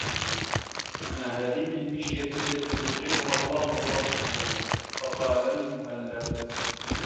مَا هَذِهِ الْمِشْيَةُ الَّتِي يُبْغِضُهَا اللَّهُ وَرَسُولُهُ ؟ فَقَالَ الْمُهَلَّبُ